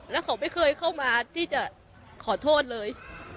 แล้วเขาไม่เคยเข้ามาที่จะขอโทษเลย